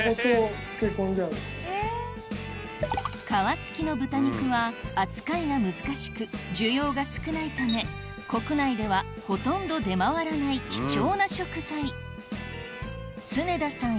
皮付きの豚肉は扱いが難しく需要が少ないため国内ではほとんど出回らない貴重な食材常田さん